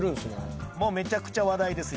めちゃくちゃ話題です